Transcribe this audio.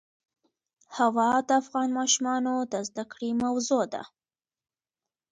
هوا د افغان ماشومانو د زده کړې موضوع ده.